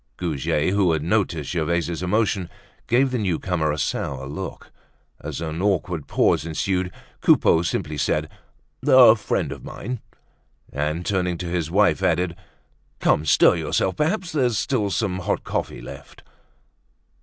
Goujet, who had noticed Gervaise's emotion, gave the newcomer a sour look. As an awkward pause ensued Coupeau simply said: "A friend of mine." And turning to his wife, added: "Come, stir yourself! Perhaps there's still some hot coffee left."